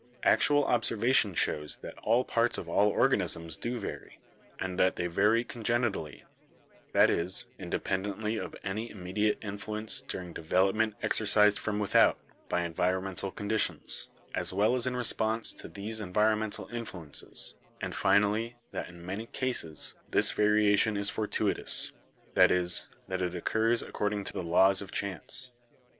Actual observation shows that all parts of all organisms do vary, and that they vary congenitally ; that is, independently of any imme diate influence during development exercised from with out by environmental conditions, as well as in response) to these environmental influences, and finally, that in many cases this variation is fortuitous — that is, that it occurs according to the laws of chance.